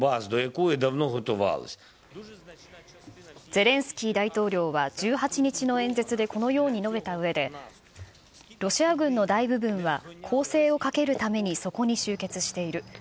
ゼレンスキー大統領は１８日の演説でこのように述べたうえで、ロシア軍の大部分は攻勢をかけるためにそこに集結している。